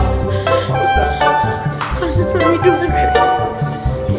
pak ustadz hidup nih